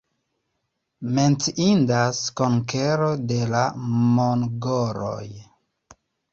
Menciindas konkero de la mongoloj.